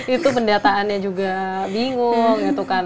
itu pendataannya juga bingung gitu kan